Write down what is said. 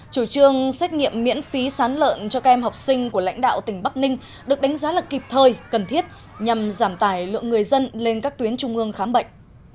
chủ trương xét nghiệm miễn phí sán lợn cho các em học sinh của lãnh đạo tỉnh bắc ninh được đánh giá là kịp thời cần thiết nhằm giảm tải lượng người dân lên các tuyến trung ương khám bệnh